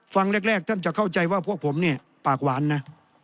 ฟังแรกท่านจะเข้าใจว่าพวกผมเนี่ยปากหวานนะ